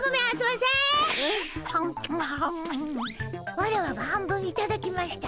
ワラワが半分いただきました。